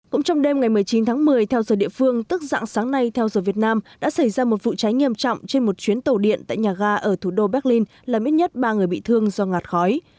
cũng trong đêm ngày một mươi chín tháng một mươi theo giờ địa phương tức dạng sáng nay theo giờ việt nam đã xảy ra một vụ cháy nghiêm trọng trên một chuyến tàu điện tại nhà ga ở thủ đô berlin làm ít nhất ba người bị thương do ngạt khói